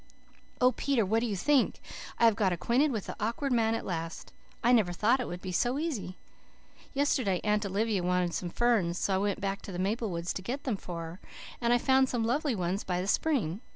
"Oh, Peter, what do you think? I have got acquainted with the Awkward Man at last. I never thought it would be so easy. Yesterday Aunt Olivia wanted some ferns, so I went back to the maple woods to get them for her, and I found some lovely ones by the spring.